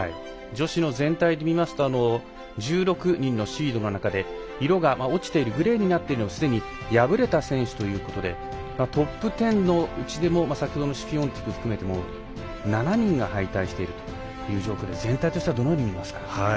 女子の全体で見ますと１６人の中で色が落ちているグレーになっているのはすでに敗れた選手ということでトップ１０のうちでも先ほどのシフィオンテク含めても７人が敗退しているという状況で全体としてはどのように見ますか？